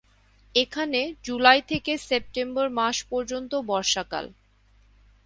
এখানে জুলাই থেকে সেপ্টেম্বর মাস পর্যন্ত বর্ষাকাল।